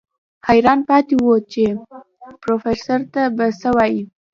حيران پاتې و چې پروفيسر ته به څه وايي.